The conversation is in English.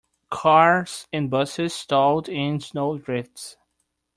Cars and busses stalled in snow drifts.